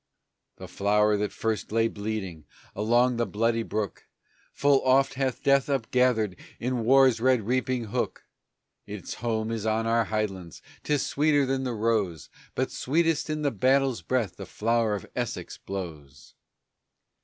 The Flower that first lay bleeding along by Bloody Brook Full oft hath Death upgathered in war's red reaping hook; Its home is on our headlands; 'tis sweeter than the rose; But sweetest in the battle's breath the Flower of Essex blows.